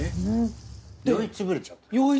酔いつぶれちゃった？